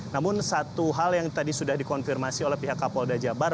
namun satu hal yang tadi sudah dikonfirmasi oleh pihak kapolda jabar